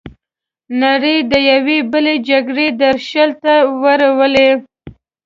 نړۍ د یوې بلې جګړې درشل ته ورولي.